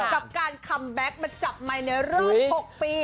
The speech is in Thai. กับการคัมแบ็คมาจับไมค์ในรอบ๖ปี